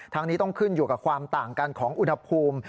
นี้ต้องขึ้นอยู่กับความต่างกันของอุณหภูมิ